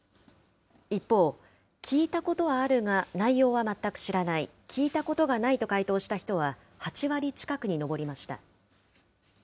一方、聞いたことはあるが内容は全く知らない、聞いたことがないと回答した人は８割近くに上りました。